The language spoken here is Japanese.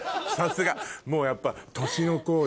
さすがもうやっぱ。